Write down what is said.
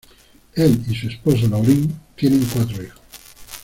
Él y su esposa, Lauren, tienen cuatro hijos.